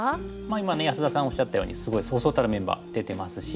今安田さんおっしゃったようにすごいそうそうたるメンバー出てますし。